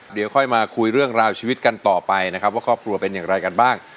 เดี๋ยวค่อยมาคุยเรื่องราวชีวิตกันต่อไปนะครับว่าครอบครัวเป็นอย่างไรกันบ้าง